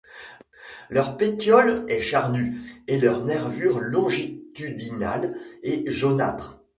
Leur pétiole est charnu et leurs nervures longitudinales et jaunâtres.